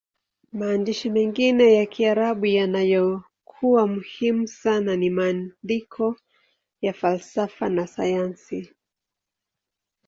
Maandishi mengine ya Kiarabu yaliyokuwa muhimu sana ni maandiko ya falsafa na sayansi.